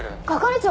係長！？